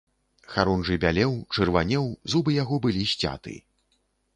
Харунжы бялеў, чырванеў, зубы яго былі сцяты.